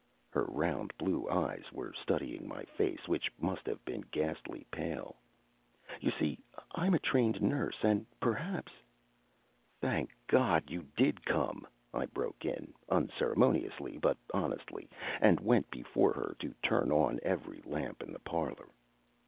Her round blue eyes were studying my face, which must have been ghastly pale. "You see, I'm a trained nurse, and perhaps " "Thank God you did come!" I broke in, unceremoniously but honestly, and went before her to turn on every lamp in the parlor.